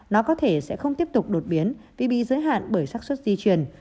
nó có thể sẽ không tiếp tục đột biến vì bị giới hạn bởi sắc xuất di chuyển